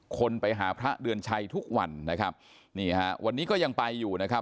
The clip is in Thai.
คนไปหาพระเดือนชัยทุกวันนะครับนี่ฮะวันนี้ก็ยังไปอยู่นะครับ